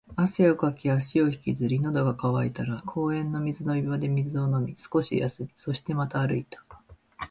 汗をかき、足を引きずり、喉が渇いたら公園の水飲み場で水を飲み、少し休み、そしてまた歩いた